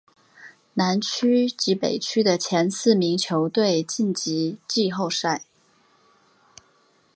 南区及北区的前四名球队晋级季后赛。